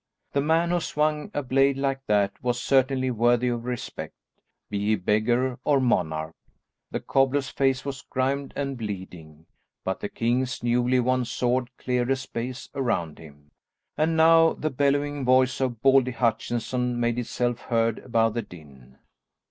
The man who swung a blade like that was certainly worthy of respect, be he beggar or monarch. The cobbler's face was grimed and bleeding, but the king's newly won sword cleared a space around him. And now the bellowing voice of Baldy Hutchinson made itself heard above the din.